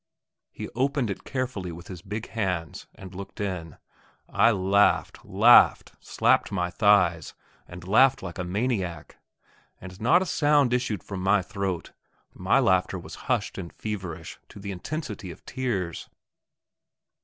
He opened it carefully with his big hands, and looked in. I laughed, laughed, slapped my thighs, and laughed, like a maniac. And not a sound issued from my throat; my laughter was hushed and feverish to the intensity of tears.